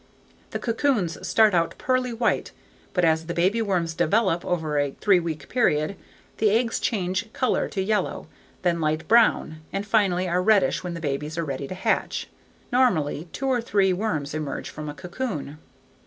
The cocoons start out pearly white but as the baby worms develop over a three week period, the eggs change color to yellow, then light brown, and finally are reddish when the babies are ready to hatch. Normally, two or three young worms emerge from a cocoon.